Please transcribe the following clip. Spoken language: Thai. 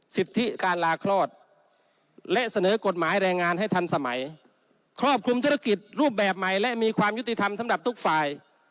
สิทธิการลาคลอดและเสนอกฎหมายแรงงานให้ทันสมัยครอบคลุมธุรกิจรูปแบบใหม่และมีความยุติธรรมสำหรับทุกฝ่าย